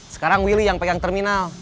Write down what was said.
sekarang willy yang pegang terminal